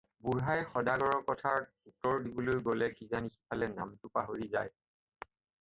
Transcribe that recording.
বুঢ়াই সদাগৰৰ কথাৰ উত্তৰ দিবলৈ গ'লে কিজানি সিফালে নামটো পাহৰি যায়।